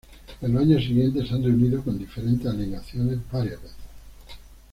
En los años siguientes se han reunido con diferentes alineaciones varias veces.